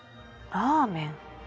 ラーメン。